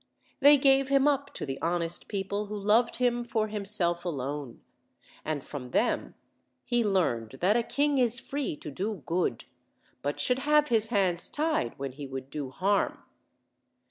They gave him up to the honest people who loved him for himself alone, and from them he learned that a king is free to do good, but should have his hands tied when he would do harm.